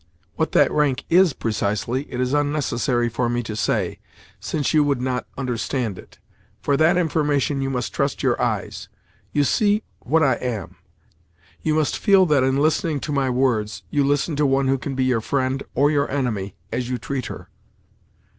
What that rank is precisely, it is unnecessary for me to say, since you would not understand it. For that information you must trust your eyes. You see what I am; you must feel that in listening to my words, you listen to one who can be your friend, or your enemy, as you treat her."